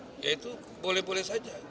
ya itu boleh boleh saja